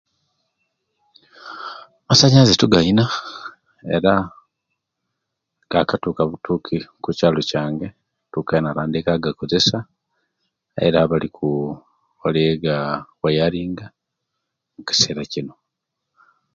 Amasanyalaze tugalina era gakatiuka butuki okukyaalo kyange tukali kutandika ogakozesya era buli ku bali kugawayalinga omukisera kinu